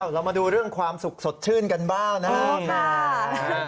เรามาดูเรื่องความสุขสดชื่นกันบ้างนะครับ